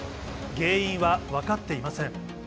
原因は分かっていません。